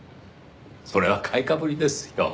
それは買いかぶりですよ。